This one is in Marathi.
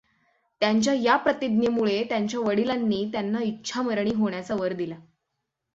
त्यांच्या या प्रतिज्ञेमुळे त्यांच्या वडिलांनी त्यांना इच्छामरणी होण्याचा वर दिला.